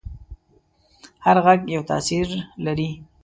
هر غږ یو تاثیر لري.